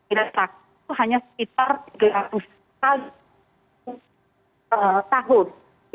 itu hanya sekitar tiga ratus kali per tahun